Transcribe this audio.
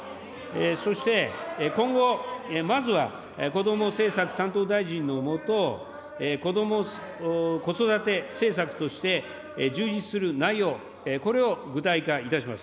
そして、今後、まずはこども政策担当大臣の下、こども・子育て政策として充実する内容、これを具体化いたします。